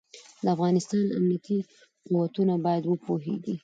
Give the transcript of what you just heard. د افغانستان امنيتي قوتونه بايد وپوهېږي.